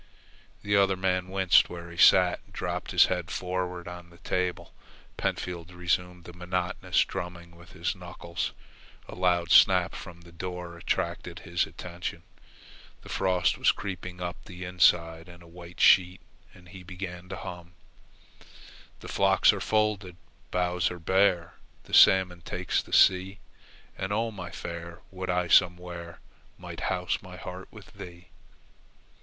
The other man winced where he sat and dropped his head forward on the table. Pentfield resumed the monotonous drumming with his knuckles. A loud snap from the door attracted his attention. The frost was creeping up the inside in a white sheet, and he began to hum: "The flocks are folded, boughs are bare, The salmon takes the sea; And oh, my fair, would I somewhere Might house my heart with thee."